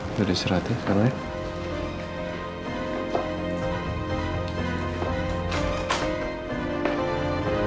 sudah diserah tuh karena ya